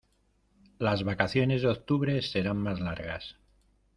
Las vacaciones de octubre serán más largas.